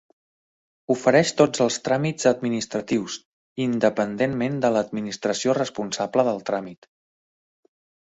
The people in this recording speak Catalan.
Ofereix tots els tràmits administratius, independentment de l'administració responsable del tràmit.